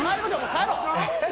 帰ろう。